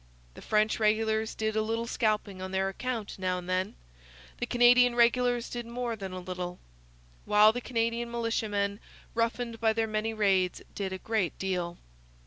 The French regulars did a little scalping on their own account now and then; the Canadian regulars did more than a little; while the Canadian militiamen, roughened by their many raids, did a great deal.